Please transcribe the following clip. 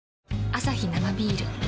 アサヒ生ビール